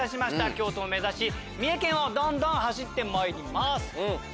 京都を目指し三重県をどんどん走ってまいります！